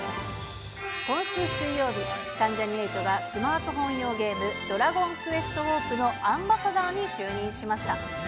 今週水曜日、関ジャニ∞がスマートフォン用ゲーム、ドラゴンクエストウォークのアンバサダーに就任しました。